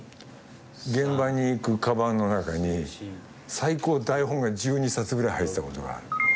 現場に行くかばんの中に最高台本が１２冊ぐらい入ってたことがある。